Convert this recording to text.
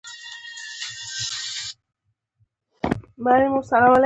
تاسي اعلیحضرت له هغې سره خپل مرحمت ښکاره کوئ.